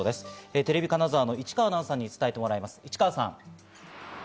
テレビ金沢の市川アナウンサーにお伝えしてもらいます、市川さん。